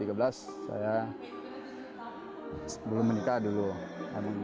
habis di situ saya dua ribu lima belas baru menikah jadi punya anak dua